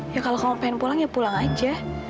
ya kalau kamu mau pulang ya pulang saja